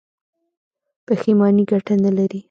پښیماني ګټه نلري.